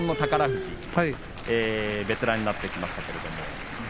富士、ベテランになってきましたけれども。